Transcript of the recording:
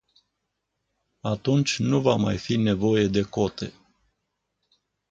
Atunci nu va mai fi nevoie de cote.